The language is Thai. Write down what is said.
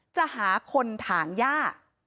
จะหาคนถางย่า